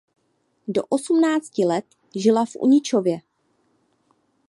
Do osmnácti let žila v Uničově.